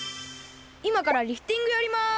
いまからリフティングやります。